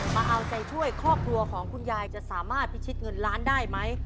มาเอาใจช่วยครอบครัวของคุณยายจะสามารถพิชิตเงินล้านได้ไหม